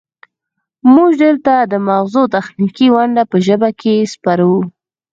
موږ دلته د مغزو تخنیکي ونډه په ژبه کې سپړو